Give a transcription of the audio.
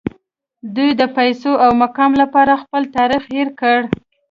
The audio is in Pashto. دوی د پیسو او مقام لپاره خپل تاریخ هیر کړی